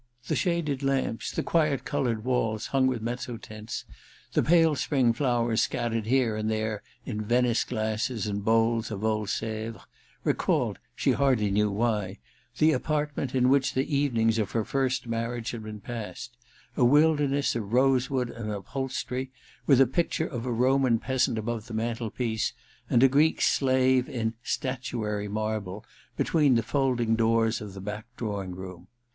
The shaded lamps, the quiet coloured walls hung with mezzotints, the pale spring flowers scattered here and there in Venice glasses and bowls of old Sevres, recalled, she hardly knew why, the apartment 204 THE RECKONING i in which the evenings of her first marriage had been passed — a wilderness of rosewood and upholstery, with a picture of a Roman peasant above the mantelpiece, and a Greek slave in * statuary marble ' between the folding doors of the back drawing room.